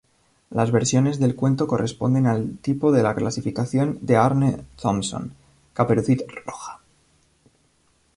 Las versiones del cuento corresponden al tipo de la clasificación de Aarne-Thompson: "Caperucita Roja".